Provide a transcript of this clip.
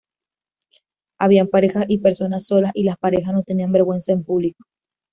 Había parejas y personas solas, y las parejas no tenían vergüenza en público.